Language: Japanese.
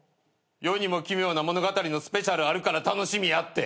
『世にも奇妙な物語』のスペシャルあるから楽しみやって。